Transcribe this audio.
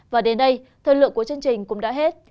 và đến đây thời lượng của chương trình cũng đã hết